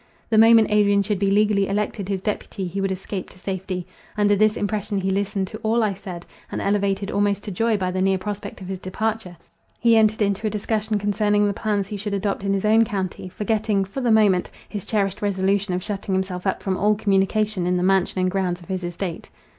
The moment Adrian should be legally elected his deputy, he would escape to safety. Under this impression he listened to all I said; and, elevated almost to joy by the near prospect of his departure, he entered into a discussion concerning the plans he should adopt in his own county, forgetting, for the moment, his cherished resolution of shutting himself up from all communication in the mansion and grounds of his estate.